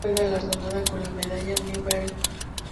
Fue galardonada con la Medalla Newbery.